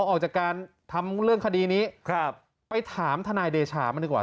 ออกจากการทำเรื่องคดีนี้ครับไปถามทนายเดชามันดีกว่า